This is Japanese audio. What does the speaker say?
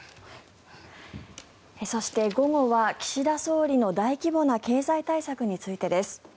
そして午後は岸田総理の大規模な経済対策についてです。